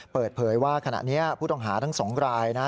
เปิดเผยว่าขณะนี้ผู้ต้องหาทั้ง๒รายนะ